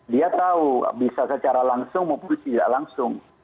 dia tahu bisa secara langsung maupun tidak langsung